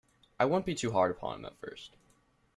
I wouldn’t be too hard upon him at first.